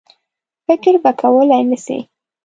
فکر به کولای نه سي.